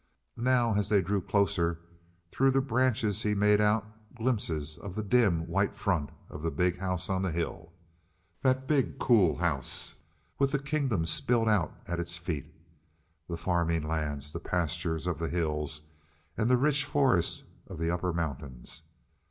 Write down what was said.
Now, as they drew closer, through the branches he made out glimpses of the dim, white front of the big house on the hill. That big, cool house with the kingdom spilled out at its feet, the farming lands, the pastures of the hills, and the rich forest of the upper mountains.